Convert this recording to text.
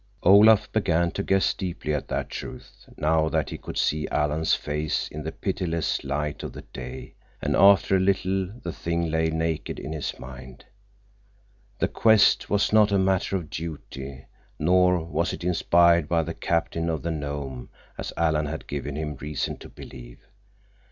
Olaf began to guess deeply at that truth, now that he could see Alan's face in the pitiless light of the day, and after a little the thing lay naked in his mind. The quest was not a matter of duty, nor was it inspired by the captain of the Nome, as Alan had given him reason to believe.